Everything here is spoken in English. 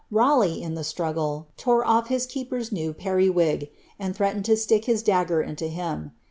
Raleigh, in the struggle, tore off hia keeper's new wig, and threatened to stick his dagger into him.